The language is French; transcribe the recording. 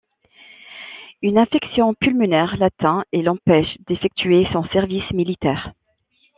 Une affection pulmonaire l’atteint et l'empêche d'effectuer son service militaire.